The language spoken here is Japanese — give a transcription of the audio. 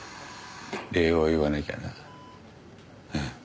礼を言わなきゃな。